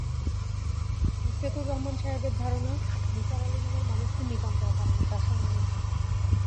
মুসফেকুর রহমান সাহেবের ধারণা, নিসার আলি নামের মানুষটি নিতান্ত অকারণে তাঁর সময় নিচ্ছে।